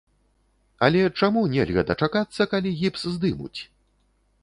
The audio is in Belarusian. Але чаму нельга дачакацца, калі гіпс здымуць?